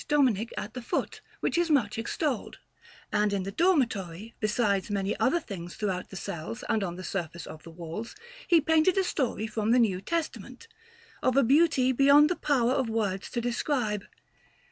Dominic at the foot, which is much extolled; and in the dormitory, besides many other things throughout the cells and on the surface of the walls, he painted a story from the New Testament, of a beauty beyond the power of words to describe.